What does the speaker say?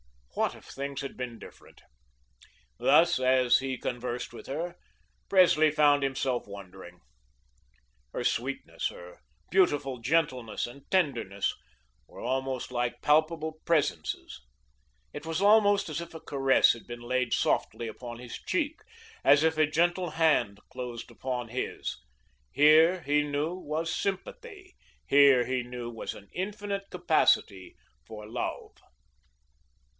What if things had been different? Thus, as he conversed with her, Presley found himself wondering. Her sweetness, her beautiful gentleness, and tenderness were almost like palpable presences. It was almost as if a caress had been laid softly upon his cheek, as if a gentle hand closed upon his. Here, he knew, was sympathy; here, he knew, was an infinite capacity for love.